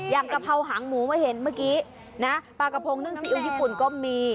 กะเพราหางหมูมาเห็นเมื่อกี้นะปลากระพงนึ่งซีอิ๊วญี่ปุ่นก็มี